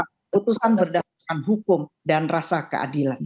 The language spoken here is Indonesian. keputusan berdasarkan hukum dan rasa keadilan